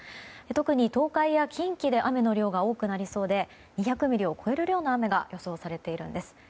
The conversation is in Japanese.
特に、東海や近畿で雨の量が多くなりそうで２００ミリを超える量の雨が予想されています。